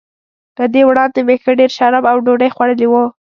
له دې وړاندي مې ښه ډېر شراب او ډوډۍ خوړلي وو.